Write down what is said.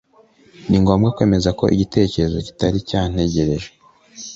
Ningomba kwemeza ko igitekerezo kitari cyantekereje